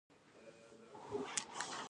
سربداران په ډیره چټکتیا وتوانیدل حکومت جوړ کړي.